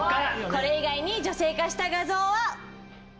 これ以外に女性化した画像は。